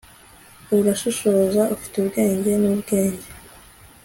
urashishoza, ufite ubwenge, nubwenge